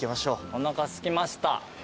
おなかすきました。